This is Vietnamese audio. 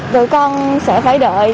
tụi con sẽ phải đợi